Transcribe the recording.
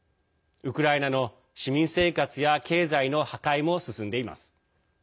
ウクライナの市民生活や経済の破壊も進んでいます。